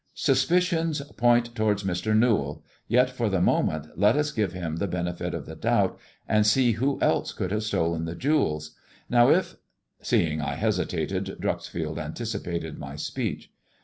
Suspicions point towards Mr. fewall, yet for the moment let us give him the benefit of 18 doubt and see who else could have stolen the jewels* [ow if " Seeing I hesitated, Dreuxfield anticipated my speech.